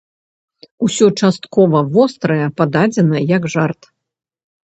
Усё часткова вострае пададзена як жарт.